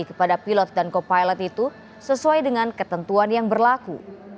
kepada pilot dan co pilot itu sesuai dengan ketentuan yang berlaku